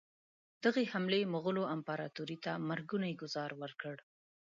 دغې حملې مغولو امپراطوري ته مرګونی ګوزار ورکړ.